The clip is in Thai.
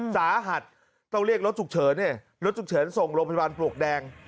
สาหัสต้องเรียกรถฉุกเฉินเนี่ยรถฉุกเฉินส่งโรงพยาบาลปลวกแดง